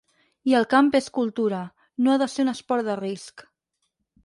I el camp és cultura, no ha de ser un esport de risc.